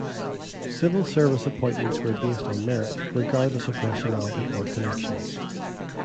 Civil Service appointments were based on merit, regardless of nationality or connections.